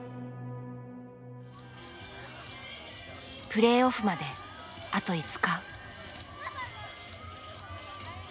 プレーオフまであと５日。